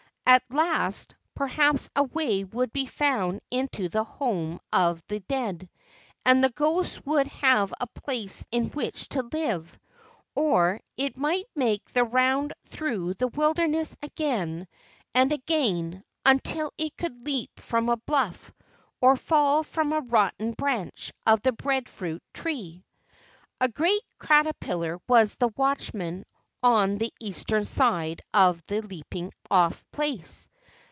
At last perhaps a way would be found into the home of the dead, and the ghost would have a place in which to live, or it might make the round through the wilderness again and again, until it could leap from a bluff, or fall from a rotten branch of the breadfruit tree. A great caterpillar was the watchman on the eastern side of the leaping off place.